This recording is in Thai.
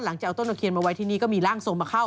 จะเอาต้นตะเคียนมาไว้ที่นี่ก็มีร่างทรงมาเข้า